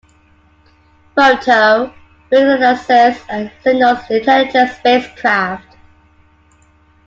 Photo-reconnaissance and signals intelligence spacecraft.